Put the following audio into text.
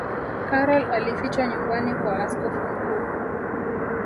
karol alifichwa nyumbani kwa askofu mkuu